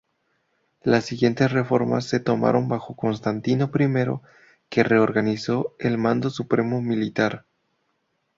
Las siguientes reformas se tomaron bajo Constantino I, que reorganizó el mando supremo militar.